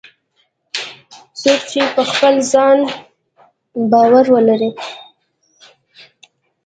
څوک چې په خپل ځان باور ولري